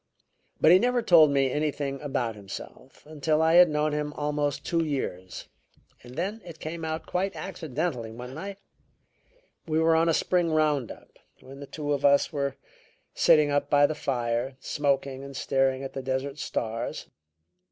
But he never told me anything about himself until I had known him almost two years, and then it came out quite accidentally one night we were on a spring round up when the two of us were sitting up by the fire, smoking and staring at the desert stars.